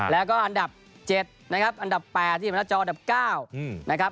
แล้วก็อันดับ๗นะครับอันดับ๘ที่อยู่บนหน้าจอดับ๙นะครับ